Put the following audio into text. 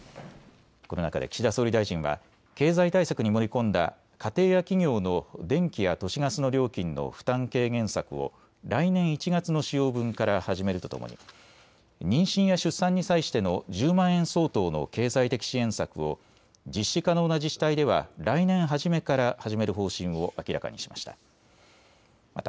この中で岸田総理大臣は経済対策に盛り込んだ家庭や企業の電気や都市ガスの料金の負担軽減策を来年１月の使用分から始めるとともに妊娠や出産に際しての１０万円相当の経済的支援策を実施可能な自治体では来年初めから始める方針を明らかにしました。